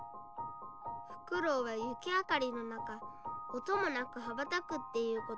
フクロウは雪明かりの中音もなく羽ばたくっていうこと。